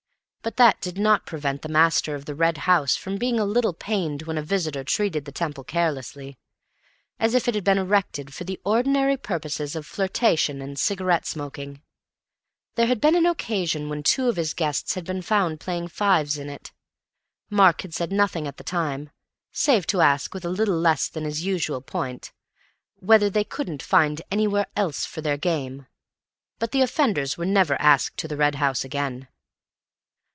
But that did not prevent the master of The Red House from being a little pained when a visitor treated the Temple carelessly, as if it had been erected for the ordinary purposes of flirtation and cigarette smoking. There had been an occasion when two of his guests had been found playing fives in it. Mark had said nothing at the time, save to ask with a little less than his usual point—whether they couldn't find anywhere else for their game, but the offenders were never asked to The Red House again.